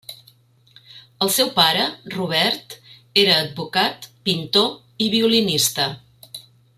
El seu pare, Robert, era advocat, pintor i violinista.